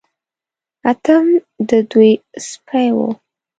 اتم د دوی سپی و.